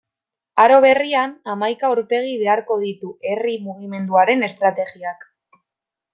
Aro berrian, hamaika aurpegi beharko ditu herri mugimenduaren estrategiak.